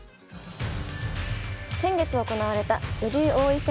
先月行われた女流王位戦